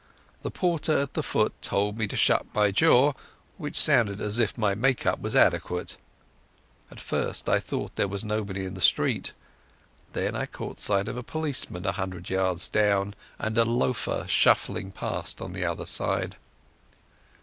The porter at the foot told me to shut my jaw, which sounded as if my make up was adequate. At first I thought there was nobody in the street. Then I caught sight of a policeman a hundred yards down, and a loafer shuffling past on the other side.